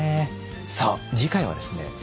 さあ次回はですね